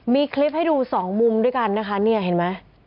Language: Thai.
มีคลิปให้ดู๒มุมด้วยกันนะคะเห็นไหม